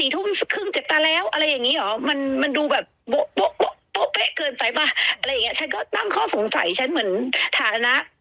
๔ทุ่มครึ่งเจ็บตาแล้วอะไรอย่างนี้เหรอ